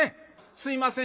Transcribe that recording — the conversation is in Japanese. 「すいません